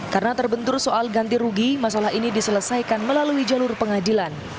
karena terbentur soal ganti rugi masalah ini diselesaikan melalui jalur pengadilan